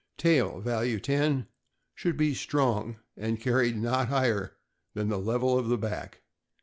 Tail (value 10) should be strong, and carried not higher than the level of the back.